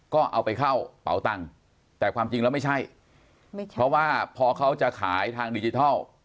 ก็เอาไปเข้าเป๋าตังค์แต่ความจริงแล้วไม่ใช่ไม่ใช่เพราะว่าพอเขาจะขายทางดิจิทัล